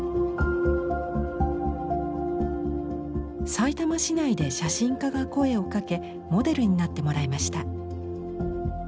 さいたま市内で写真家が声をかけモデルになってもらいました。